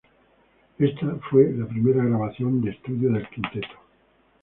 Esta fue la primera grabación de estudio del quinteto.